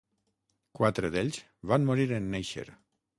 Quatre d'ells van morir en néixer.